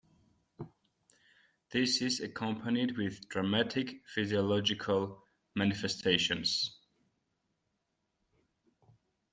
This is accompanied with "dramatic physiological manifestations".